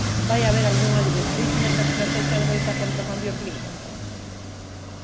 ¿Vai haber algunha directriz nesa estratexia de loita contra o cambio climático?